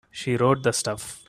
She wrote the stuff.